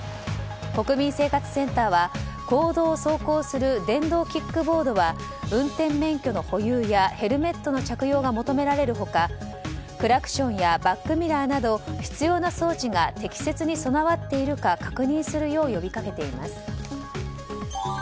国民生活センターは公道を走行する電動キックボードは運転免許の保有やヘルメットの着用が求められる他、クラクションやバックミラーなど必要な装置が適切に備わっているか確認するよう呼びかけています。